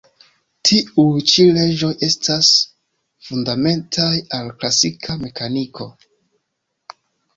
Tiuj ĉi leĝoj estas fundamentaj al klasika mekaniko.